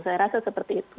saya rasa seperti itu